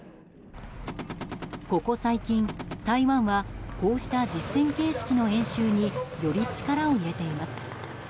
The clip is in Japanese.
ここ最近、台湾はこうした実戦形式の演習により力を入れています。